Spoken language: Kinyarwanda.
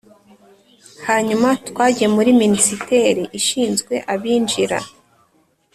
Hanyuma twagiye muri Minisiteri Ishinzwe Abinjira